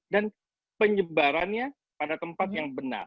dan penyebarannya pada tempat yang benar